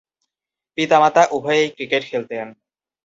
পিতা-মাতা উভয়েই ক্রিকেট খেলতেন।